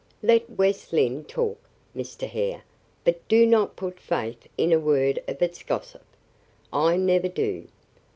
Let West Lynne talk, Mr. Hare; but do not put faith in a word of its gossip. I never do.